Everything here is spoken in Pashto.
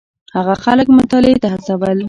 هغه خلک مطالعې ته هڅول.